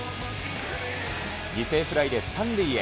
犠牲フライで３塁へ。